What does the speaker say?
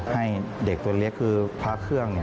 ให้เด็กตัวเล็กคือพระเครื่อง